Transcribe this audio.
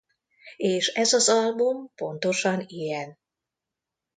És ez az album pontosan ilyen.